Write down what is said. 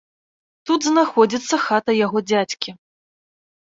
Тут знаходзіцца хата яго дзядзькі.